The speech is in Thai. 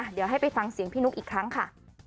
เดี๋ยวให้ไปฟังเสียงพี่นุ๊กอีกครั้งค่ะ